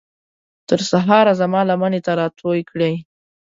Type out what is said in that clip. تر سهاره زما لمنې ته راتوی کړئ